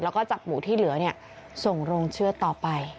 แล้วก็จับหมูที่เหลือส่งโรงเชือดต่อไป